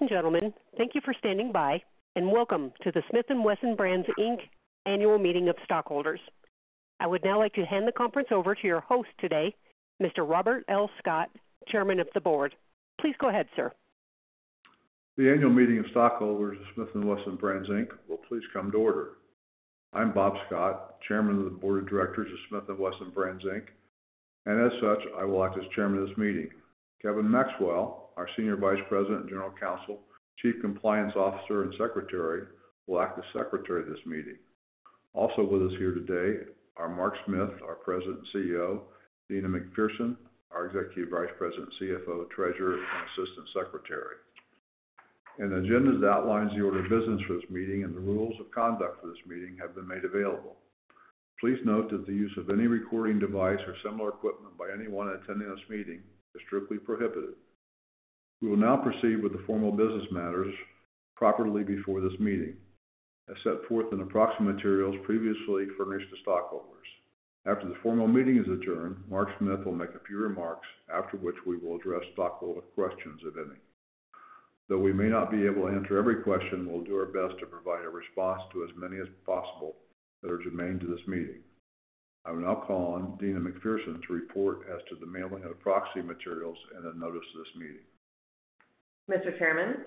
Ladies and gentlemen, thank you for standing by, and welcome to the Smith & Wesson Brands, Inc. Annual Meeting of Stockholders. I would now like to hand the conference over to your host today, Mr. Robert L. Scott, Chairman of the Board. Please go ahead, sir. The annual meeting of stockholders of Smith & Wesson Brands, Inc. will please come to order. I'm Bob Scott, chairman of the Board of Directors of Smith & Wesson Brands, Inc., and as such, I will act as chairman of this meeting. Kevin Maxwell, our Senior Vice President and General Counsel, Chief Compliance Officer and Secretary, will act as secretary of this meeting. Also with us here today are Mark Smith, our President and CEO, Deana McPherson, our Executive Vice President, CFO, Treasurer, and Assistant Secretary. An agenda that outlines the order of business for this meeting and the rules of conduct for this meeting have been made available. Please note that the use of any recording device or similar equipment by anyone attending this meeting is strictly prohibited. We will now proceed with the formal business matters properly before this meeting, as set forth in the proxy materials previously furnished to stockholders. After the formal meeting is adjourned, Mark Smith will make a few remarks, after which we will address stockholder questions, if any. Though we may not be able to answer every question, we'll do our best to provide a response to as many as possible that are germane to this meeting. I will now call on Deana McPherson to report as to the mailing of proxy materials and a notice of this meeting. Mr. Chairman,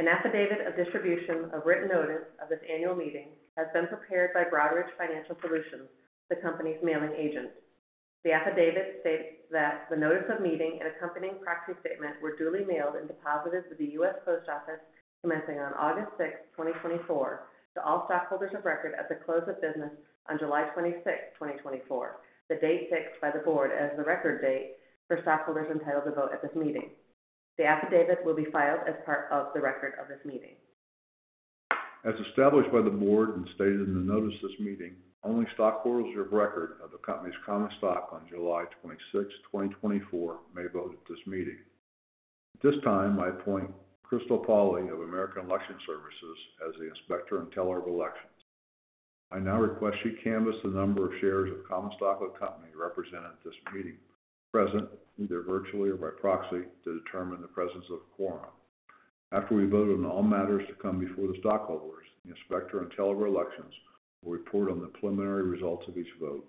an affidavit of distribution, a written notice of this annual meeting, has been prepared by Broadridge Financial Solutions, the company's mailing agent. The affidavit states that the notice of meeting and accompanying proxy statement were duly mailed and deposited with the US Post Office, commencing on August sixth, 2024, to all stockholders of record at the close of business on July twenty-sixth, 2024, the date fixed by the board as the record date for stockholders entitled to vote at this meeting. The affidavit will be filed as part of the record of this meeting. As established by the board and stated in the notice of this meeting, only stockholders of record of the company's common stock on July twenty-sixth, twenty twenty-four, may vote at this meeting. At this time, I appoint Crystal Pauli of American Election Services as the inspector and teller of elections. I now request she canvass the number of shares of common stock of the company represented at this meeting, present either virtually or by proxy, to determine the presence of a quorum. After we vote on all matters to come before the stockholders, the inspector and teller of elections will report on the preliminary results of each vote.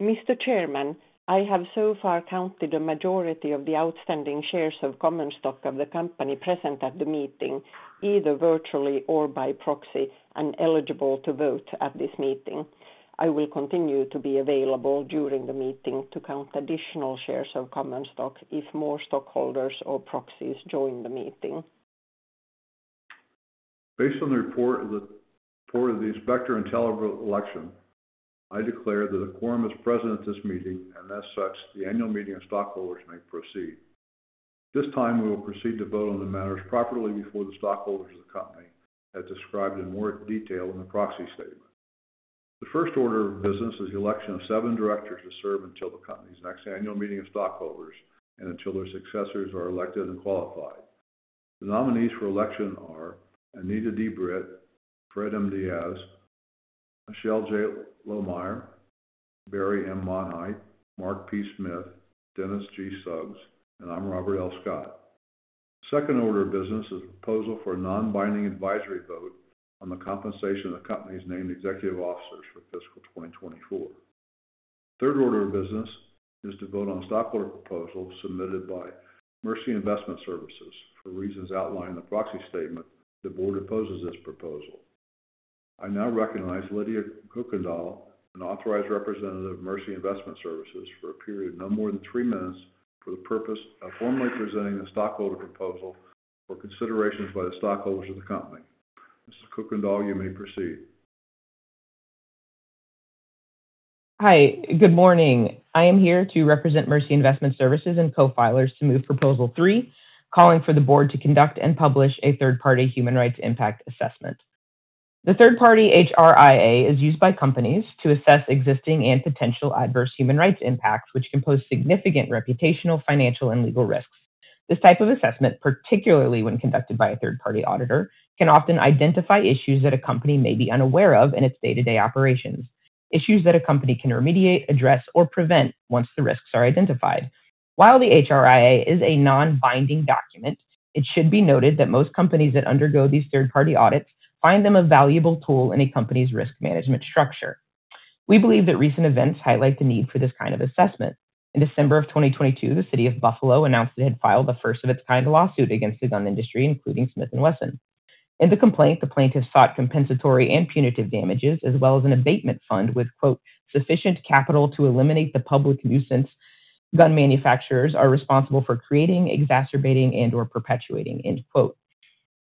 Mr. Chairman, I have so far counted a majority of the outstanding shares of common stock of the company present at the meeting, either virtually or by proxy, and eligible to vote at this meeting. I will continue to be available during the meeting to count additional shares of common stock if more stockholders or proxies join the meeting. Based on the report of the inspector and teller of election, I declare that a quorum is present at this meeting, and as such, the annual meeting of stockholders may proceed. This time, we will proceed to vote on the matters properly before the stockholders of the company, as described in more detail in the proxy statement. The first order of business is the election of seven directors to serve until the company's next annual meeting of stockholders and until their successors are elected and qualified. The nominees for election are Anita D. Britt, Fred M. Diaz, Michell J. Lohmeyer, Barry M. Monaitis, Mark P. Smith, Denis G. Suggs, and Robert L. Scott. Second order of business is a proposal for a non-binding advisory vote on the compensation of the company's named executive officers for fiscal twenty twenty-four. Third order of business is to vote on stockholder proposals submitted by Mercy Investment Services. For reasons outlined in the proxy statement, the board opposes this proposal. I now recognize Lydia Kuykendall, an authorized representative of Mercy Investment Services, for a period of no more than three minutes for the purpose of formally presenting the stockholder proposal for consideration by the stockholders of the company. Mrs. Kuykendall, you may proceed. Hi, good morning. I am here to represent Mercy Investment Services and co-filers to move Proposal Three, calling for the board to conduct and publish a third-party human rights impact assessment. The third-party HRIA is used by companies to assess existing and potential adverse human rights impacts, which can pose significant reputational, financial, and legal risks. This type of assessment, particularly when conducted by a third-party auditor, can often identify issues that a company may be unaware of in its day-to-day operations, issues that a company can remediate, address, or prevent once the risks are identified. While the HRIA is a non-binding document, it should be noted that most companies that undergo these third-party audits find them a valuable tool in a company's risk management structure. We believe that recent events highlight the need for this kind of assessment. In December of twenty twenty-two, the City of Buffalo announced it had filed the first of its kind lawsuit against the gun industry, including Smith & Wesson. In the complaint, the plaintiffs sought compensatory and punitive damages, as well as an abatement fund with, quote, "sufficient capital to eliminate the public nuisance gun manufacturers are responsible for creating, exacerbating, and/or perpetuating." End quote.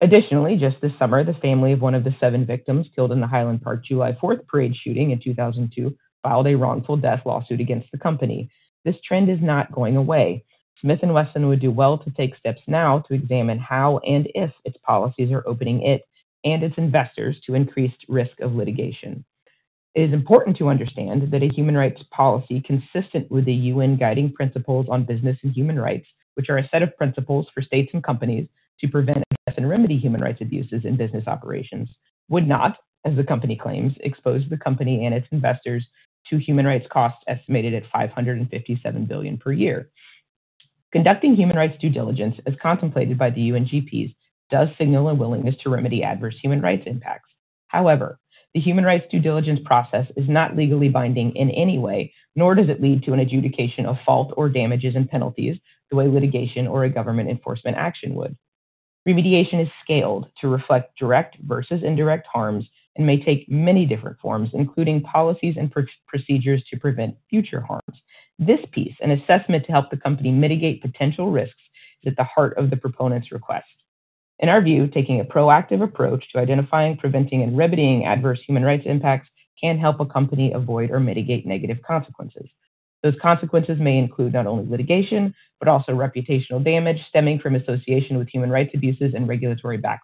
Additionally, just this summer, the family of one of the seven victims killed in the Highland Park July Fourth parade shooting in twenty twenty-two, filed a wrongful death lawsuit against the company. This trend is not going away. Smith & Wesson would do well to take steps now to examine how and if its policies are opening it and its investors to increased risk of litigation. It is important to understand that a human rights policy consistent with the UN Guiding Principles on Business and Human Rights, which are a set of principles for states and companies to prevent and remedy human rights abuses in business operations, would not, as the company claims, expose the company and its investors to human rights costs estimated at $557 billion per year. Conducting human rights due diligence, as contemplated by the UNGPs, does signal a willingness to remedy adverse human rights impacts. However, the human rights due diligence process is not legally binding in any way, nor does it lead to an adjudication of fault or damages and penalties the way litigation or a government enforcement action would. Remediation is scaled to reflect direct versus indirect harms and may take many different forms, including policies and procedures to prevent future harms. This piece, an assessment to help the company mitigate potential risks, is at the heart of the proponent's request. In our view, taking a proactive approach to identifying, preventing, and remedying adverse human rights impacts can help a company avoid or mitigate negative consequences. Those consequences may include not only litigation, but also reputational damage stemming from association with human rights abuses and regulatory backlash.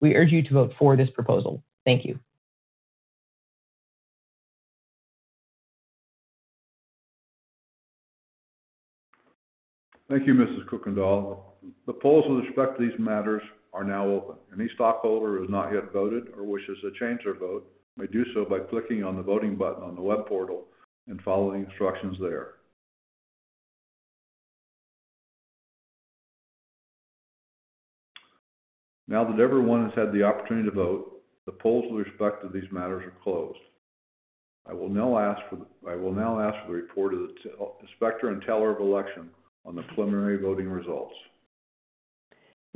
We urge you to vote for this proposal. Thank you. Thank you, Mrs. Kuykendall. The polls with respect to these matters are now open. Any stockholder who has not yet voted or wishes to change their vote may do so by clicking on the voting button on the web portal and following the instructions there. Now that everyone has had the opportunity to vote, the polls with respect to these matters are closed. I will now ask for the report of the inspector and teller of election on the preliminary voting results.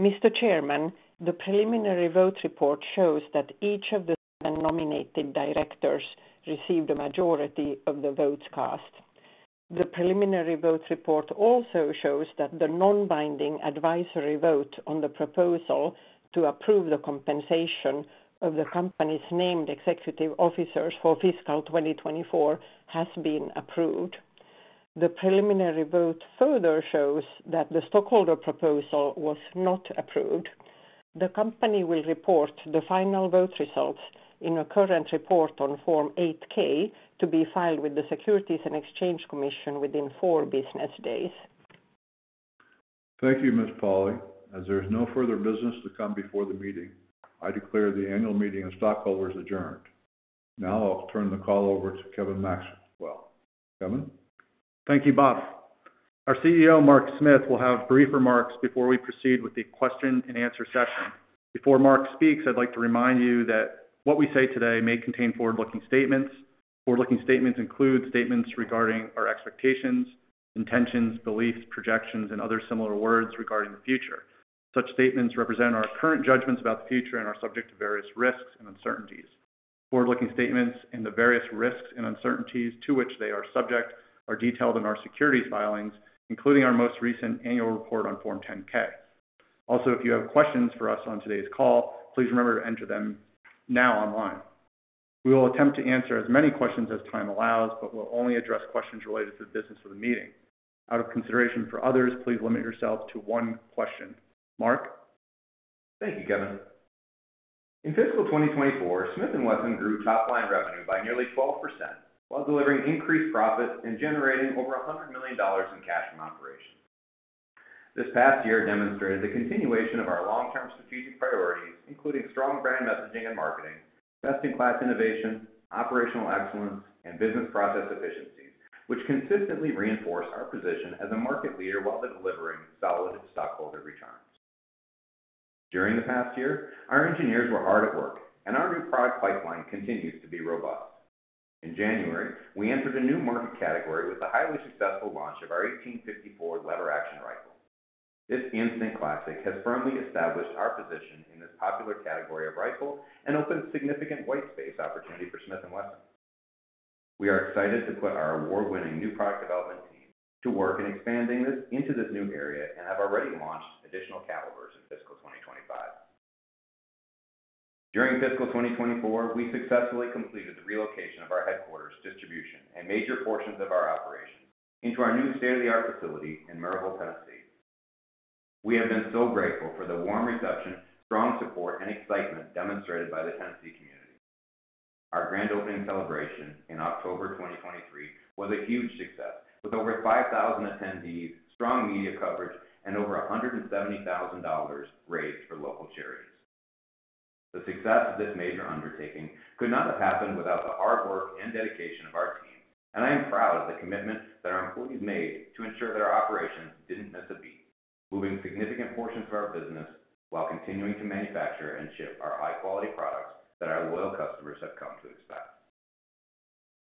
Mr. Chairman, the preliminary vote report shows that each of the seven nominated directors received a majority of the votes cast. The preliminary vote report also shows that the non-binding advisory vote on the proposal to approve the compensation of the company's named executive officers for fiscal 2024 has been approved. The preliminary vote further shows that the stockholder proposal was not approved. The company will report the final vote results in a current report on Form 8-K, to be filed with the Securities and Exchange Commission within four business days. Thank you, Ms. Pauli. As there is no further business to come before the meeting, I declare the annual meeting of stockholders adjourned. Now I'll turn the call over to Kevin Maxwell. Kevin? Thank you, Bob. Our CEO, Mark Smith, will have brief remarks before we proceed with the question-and-answer session. Before Mark speaks, I'd like to remind you that what we say today may contain forward-looking statements. Forward-looking statements include statements regarding our expectations, intentions, beliefs, projections, and other similar words regarding the future. Such statements represent our current judgments about the future and are subject to various risks and uncertainties. Forward-looking statements and the various risks and uncertainties to which they are subject are detailed in our securities filings, including our most recent annual report on Form 10-K. Also, if you have questions for us on today's call, please remember to enter them now online. We will attempt to answer as many questions as time allows, but we'll only address questions related to the business of the meeting. Out of consideration for others, please limit yourself to one question. Mark? Thank you, Kevin. In fiscal 2024, Smith & Wesson grew top-line revenue by nearly 12%, while delivering increased profits and generating over $100 million in cash from operations. This past year demonstrated the continuation of our long-term strategic priorities, including strong brand messaging and marketing, best-in-class innovation, operational excellence, and business process efficiency, which consistently reinforce our position as a market leader while delivering solid stockholder returns. During the past year, our engineers were hard at work, and our new product pipeline continues to be robust. In January, we entered a new market category with the highly successful launch of our 1854 lever-action rifle. This instant classic has firmly established our position in this popular category of rifle and opens significant white space opportunity for Smith & Wesson. We are excited to put our award-winning new product development team to work in expanding this into this new area and have already launched additional calibers in fiscal 2025. During fiscal 2024, we successfully completed the relocation of our headquarters, distribution, and major portions of our operations into our new state-of-the-art facility in Maryville, Tennessee. We have been so grateful for the warm reception, strong support, and excitement demonstrated by the Tennessee community. Our grand opening celebration in October 2023 was a huge success, with over 5,000 attendees, strong media coverage, and over $170,000 raised for local charities. The success of this major undertaking could not have happened without the hard work and dedication of our team, and I am proud of the commitment that our employees made to ensure that our operations didn't miss a beat, moving significant portions of our business while continuing to manufacture and ship our high-quality products that our loyal customers have come to expect.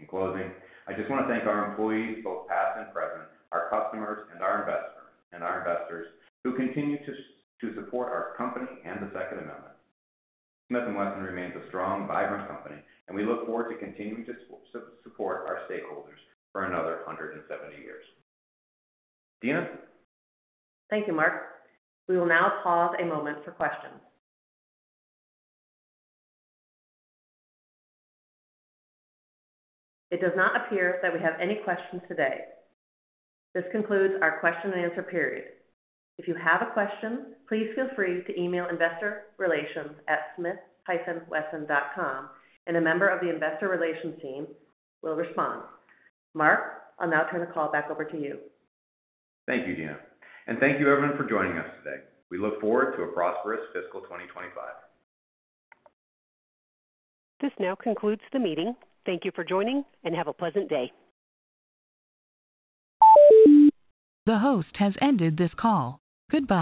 In closing, I just want to thank our employees, both past and present, our customers, and our investors who continue to support our company and the Second Amendment. Smith & Wesson remains a strong, vibrant company, and we look forward to continuing to support our stakeholders for another hundred and seventy years. Deana? Thank you, Mark. We will now pause a moment for questions. It does not appear that we have any questions today. This concludes our question-and-answer period. If you have a question, please feel free to email investorrelations@smith-wesson.com, and a member of the investor relations team will respond. Mark, I'll now turn the call back over to you. Thank you, Deana, and thank you, everyone, for joining us today. We look forward to a prosperous fiscal twenty twenty-five. This now concludes the meeting. Thank you for joining, and have a pleasant day. The host has ended this call. Goodbye.